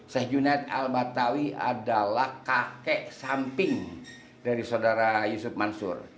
sheikh junaid al batawi adalah kakek samping dari saudara yusuf mansur